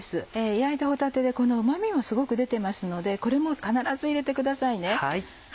焼いた帆立でうま味もすごく出てますのでこれも必ず入れてくださいね。